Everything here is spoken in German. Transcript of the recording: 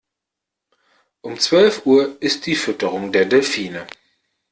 Um zwölf Uhr ist die Fütterung der Delfine.